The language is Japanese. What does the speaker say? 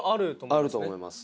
あると思います。